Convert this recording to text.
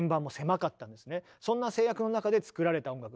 そんな制約の中で作られた音楽